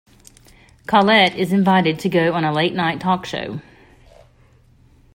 Coilette is invited to go on a late night talk show.